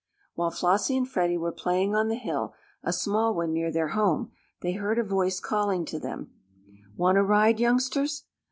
While Flossie and Freddie were playing on the hill, a small one near their home, they heard a voice calling to them: "Want a ride, youngsters?"